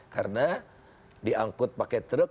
karena diangkut pakai truk